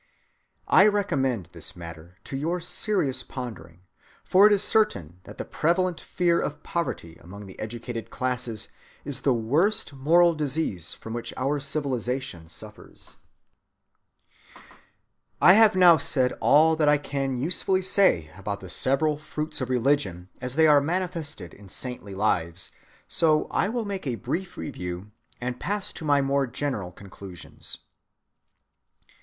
I recommend this matter to your serious pondering, for it is certain that the prevalent fear of poverty among the educated classes is the worst moral disease from which our civilization suffers. ‐‐‐‐‐‐‐‐‐‐‐‐‐‐‐‐‐‐‐‐‐‐‐‐‐‐‐‐‐‐‐‐‐‐‐‐‐ I have now said all that I can usefully say about the several fruits of religion as they are manifested in saintly lives, so I will make a brief review and pass to my more general conclusions.